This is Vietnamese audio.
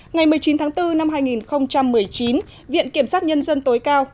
ngày một mươi chín tháng bốn năm hai nghìn một mươi chín viện kiểm sát nhân dân tối cao